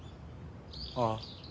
ああ。